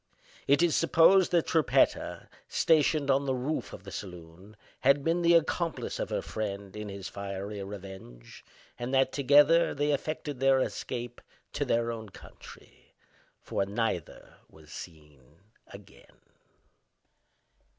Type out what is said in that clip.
It is supposed that Trippetta, stationed on the roof of the saloon, had been the accomplice of her friend in his fiery revenge, and that, together, they effected their escape to their own country; for neither was seen again.